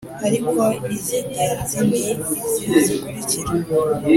ariko iz’ingenzi ni izi zikurikira: